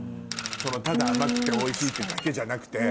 ただ甘くておいしいってだけじゃなくて。